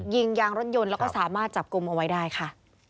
ยางรถยนต์แล้วก็สามารถจับกลุ่มเอาไว้ได้ค่ะ